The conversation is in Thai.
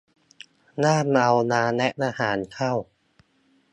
ห้ามเอาน้ำและอาหารเข้า